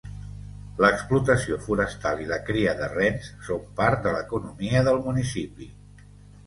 L'explotació forestal i la cria de rens són part de l'economia del municipi.